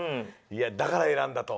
いやだから選んだと？